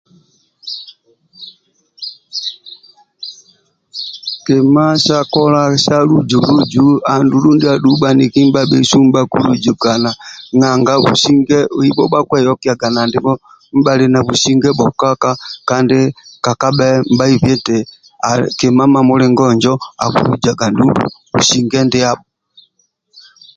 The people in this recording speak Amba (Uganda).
Kima sa kolai sa luzu luzu andulu ndiadhu bhaniki ndibhasu nibhakiluzukana nanga busing ebho bhakieyokiaga nandibho bhali na businge bhokaka kandi kekabhe nibhaibi eti kima mamulingo injo akilujaga ndulu businge ndiabho